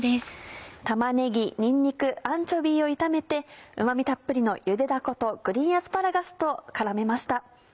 玉ねぎにんにくアンチョビーを炒めてうま味たっぷりのゆでだことグリーンアスパラガスと絡めました。